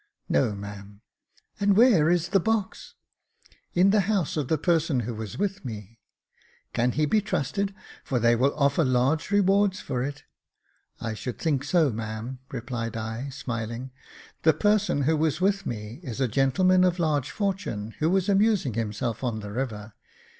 No, ma'am." " And where is the box ?"" In the house of the person who was with me." *' Can he be trusted ? For they will offer large rewards for it." "I should think so, ma'am," replied I, smiling; "the person who was with me is a gentleman of large fortune, who was amusing himself on the river.